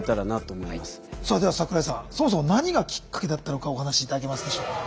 では桜井さんそもそも何がきっかけだったのかお話し頂けますでしょうか。